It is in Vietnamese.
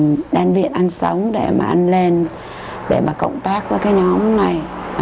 nhà đan viện anh sống để mà anh lên để mà cộng tác với cái nhóm này